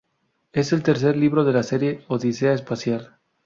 Es el tercer libro de la serie "Odisea espacial".